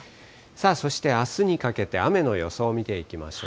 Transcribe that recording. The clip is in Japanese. さあ、そしてあすにかけて雨の予想見ていきましょう。